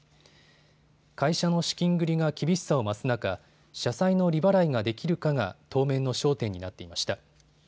会社の資金繰りが厳しさを増す中、社債の利払いができるかが当面の焦点になっていました。